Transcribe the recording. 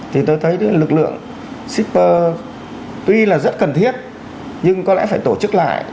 thì tôi thấy lực lượng shipper tuy là rất cần thiết nhưng có lẽ phải tổ chức lại